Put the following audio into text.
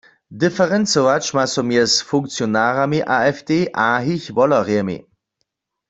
Diferencować ma so mjez funkcionarami AfD a jich wolerjemi.